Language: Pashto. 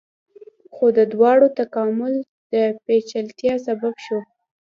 خو د دواړو تکامل د پیچلتیا سبب شو.